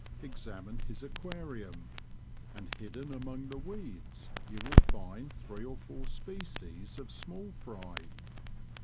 Examine his aquarium, and hidden among the weeds you will find three or four species of small fry.